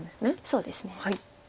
そうですね。